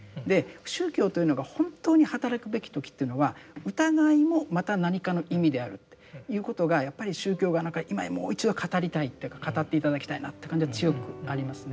宗教というのが本当に働くべき時というのは疑いもまた何かの意味であるっていうことがやっぱり宗教が今もう一度語りたいっていうか語って頂きたいなって感じは強くありますね。